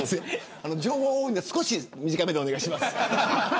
情報が多いので少し短めでお願いします。